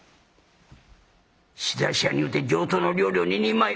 仕出し屋に言うて上等の料理を２人前。